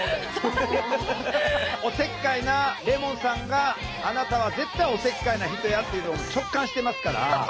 おせっかいなレモンさんがあなたは絶対おせっかいな人やっていうのを直感してますから。